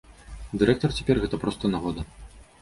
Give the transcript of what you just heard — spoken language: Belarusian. Дырэктар цяпер, гэта проста нагода.